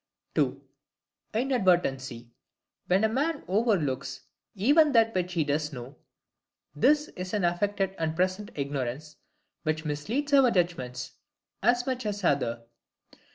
(ii) INADVERTENCY: When a man overlooks even that which he does know. This is an affected and present ignorance, which misleads our judgments as much as the other.